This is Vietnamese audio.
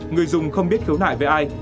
người dùng không biết khấu nại với ai